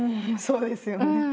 そうですよね。